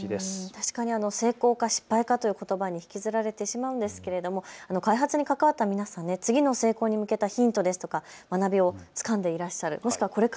確かに成功か失敗かということばに引きずられてしまうんですけれども開発に関わった皆さん、次の成功に向けたヒントですとか学びをつかんでいらっしゃる。